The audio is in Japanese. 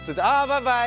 バイバイ。